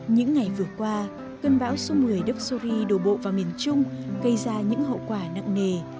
những ngày vừa qua cơn bão số một mươi doxury đổ bộ vào miền trung gây ra những hậu quả nặng nề